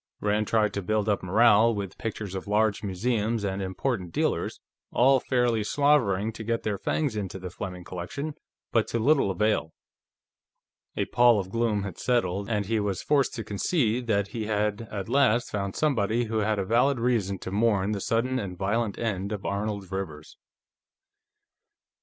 Rand tried to build up morale with pictures of large museums and important dealers, all fairly slavering to get their fangs into the Fleming collection, but to little avail. A pall of gloom had settled, and he was forced to concede that he had at last found somebody who had a valid reason to mourn the sudden and violent end of Arnold Rivers.